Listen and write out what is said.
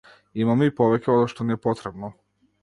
Имаме и повеќе одошто ни е потребно.